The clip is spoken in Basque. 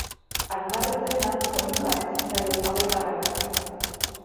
Aimarren sena oihuka hasi zitzaion hamaikagarrenez.